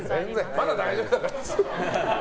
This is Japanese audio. まだ大丈夫だから。